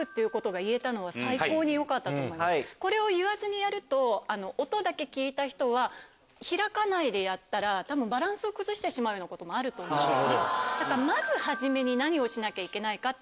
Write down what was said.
これを言わずにやると音だけ聞いた人は開かないでやったらバランスを崩すこともあると思うんですね。